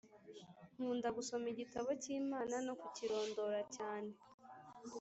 Nkunda gusoma igitabo cy’Imana no kukirondora cyane